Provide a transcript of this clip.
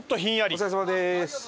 お世話さまです。